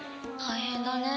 大変だね。